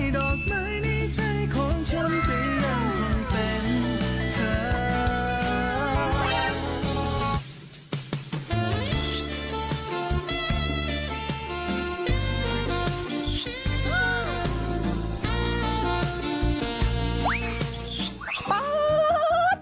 ดอกไม้นี่ใช่ของฉันแต่ยังคงเป็นเธอ